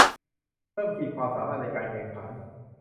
เพิ่มขีดความสามารถในการแข่งขัน